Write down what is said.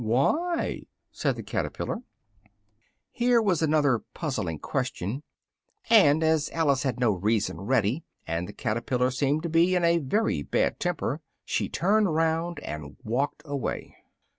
"Why?" said the caterpillar. Here was another puzzling question: and as Alice had no reason ready, and the caterpillar seemed to be in a very bad temper, she turned round and walked away.